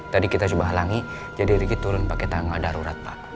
tadi kita coba halangi jadi turun pakai tangga darurat pak